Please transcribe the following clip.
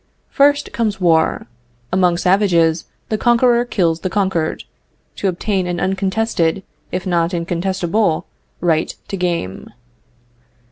First comes war. Among savages the conqueror kills the conquered, to obtain an uncontested, if not incontestable, right to game.